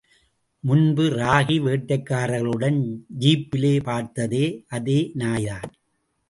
முன்பு ராகி வேட்டைக்காரர்களுடன் ஜீப்பிலே பார்த்ததே, அதே நாய்தான்!